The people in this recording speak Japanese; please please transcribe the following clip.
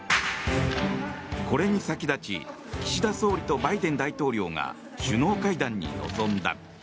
これに先立ち岸田総理とバイデン大統領が首脳会談に臨んだ。